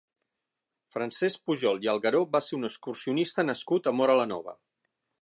Francesc Pujol i Algueró va ser un excursionista nascut a Móra la Nova.